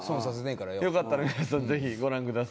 よかったら皆さんぜひご覧ください。